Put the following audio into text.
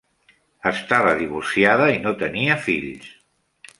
Estava divorciada i no tenia fills.